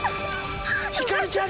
ひかるちゃん。